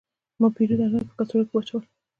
ما د پیرود اجناس په کڅوړه کې واچول.